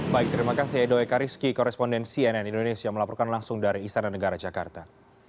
baik terima kasih edo ekariski koresponden cnn indonesia melaporkan langsung dari istana negara jakarta